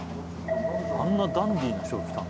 あんなダンディーな人が来たの？